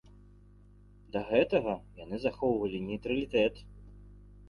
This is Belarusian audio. Да гэтага яны захоўвалі нейтралітэт.